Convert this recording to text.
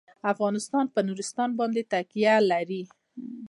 افغانستان په نورستان باندې تکیه لري.